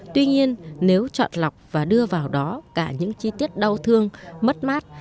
tuy nhiên nếu chọn lọc và đưa vào đó cả những chi tiết đau thương mất mát